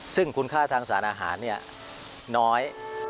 ซึ่งคุณค่าทางสารอาหารน้อย